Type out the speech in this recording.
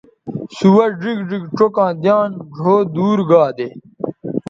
سوہ ڙیگ ڙیگ چوکاں دیان ڙھؤ دور گا دے